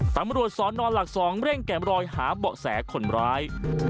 ตำรวจสอนอนหลัก๒เร่งแก่มรอยหาเบาะแสคนร้าย